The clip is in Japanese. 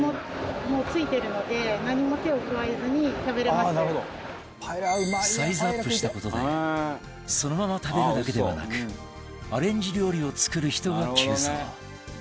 「ナイスアイデア」サイズアップした事でそのまま食べるだけではなくアレンジ料理を作る人が急増